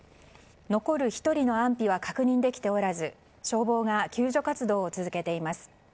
残る１人の安否は確認できておらず消防が救助活動を続けています。